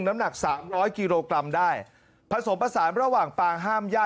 น้ำหนักสามร้อยกิโลกรัมได้ผสมผสานระหว่างปางห้ามย่า